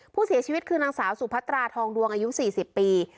ผู้เสียชีวิตคือนางสาวสุพัตราทองดวงอายุ๔๐ปี